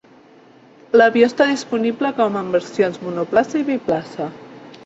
L'avió està disponible com en versions monoplaça i biplaça.